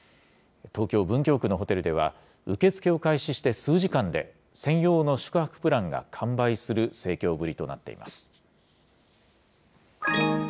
東京・文京区のホテルでは、受け付けを開始して数時間で専用の宿泊プランが完売する盛況ぶりとなっています。